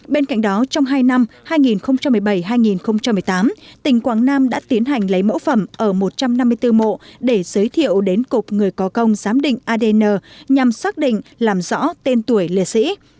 bên cạnh đó trong hai năm hai nghìn một mươi bảy hai nghìn một mươi tám tỉnh quảng nam đã tiến hành lấy mẫu phẩm ở một trăm năm mươi bốn mộ để giới thiệu đến cục người có công giám định adn nhằm xác định làm rõ tên tuổi lễ sĩ